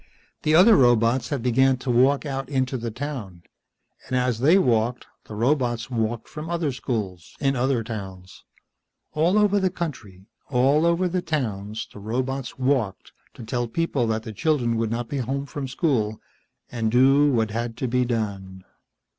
The other robots had begun to walk out into the town, and as they walked the robots walked from other schools, in other towns. All over the country, all over the towns, the robots walked to tell the people that the children would not be home from school, and do what had to be done.